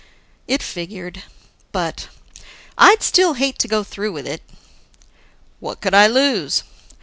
It figured. But, "I'd still hate to go through with it." "What could I lose?